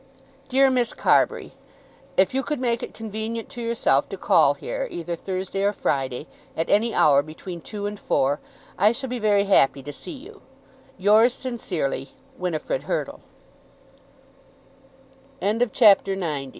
DEAR MISS CARBURY, If you could make it convenient to yourself to call here either Thursday or Friday at any hour between two and four, I shall be very happy to see you. Yours sincerely, WINIFRID HURTLE. CHAPTER XCI. THE RIVALS.